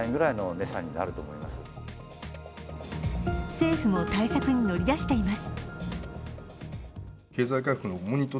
政府も対策に乗り出しています。